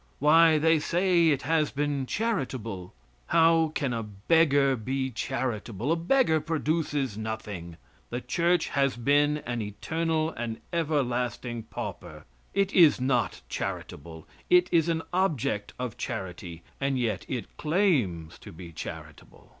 Why, they say, it has been charitable. How can a beggar be charitable? A beggar produces nothing. The church has been an eternal and everlasting pauper. It is not charitable. It is an object of charity, and yet it claims to be charitable.